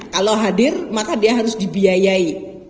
kalau hadir maka dia harus dibiayai